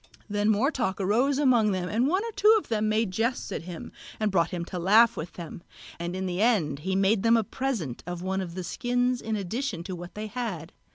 Then more talk arose among them, and one or two of them made jests at him and brought him to laugh with them; and in the end he made them a present of one of the skins in addition to what they had.